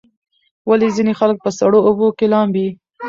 ولې ځینې خلک په سړو اوبو کې لامبي؟